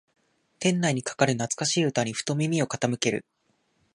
店内にかかる懐かしい歌にふと耳を傾ける